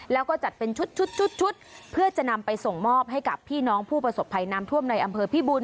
แล้วก็จัดเป็นชุดชุดเพื่อจะนำไปส่งมอบให้กับพี่น้องผู้ประสบภัยน้ำท่วมในอำเภอพี่บุญ